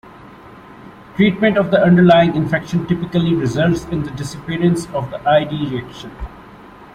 Treatment of the underlying infection typically results in the disappearance of the id reaction.